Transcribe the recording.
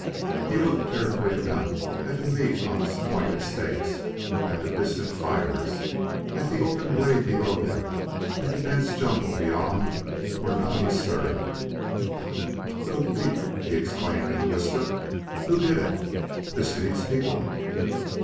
He looked carefully about at the meat on its pointed stakes, at the distant fires, at the open glade below them and the dense jungle beyond where nothing stirred. "Cooked meat!" he exclaimed in a whisper. "Who did it? This means people!"